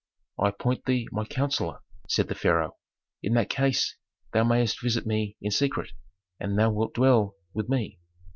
"I appoint thee my counsellor," said the pharaoh. "In that case thou mayst visit me in secret, and thou wilt dwell with me."